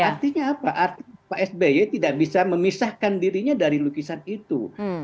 artinya apa artinya pak sby tidak bisa memisahkan dirinya dari lukisan itu